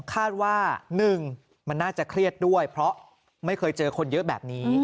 คาดว่า๑มันน่าจะเครียดด้วยเพราะไม่เคยเจอคนเยอะแบบนี้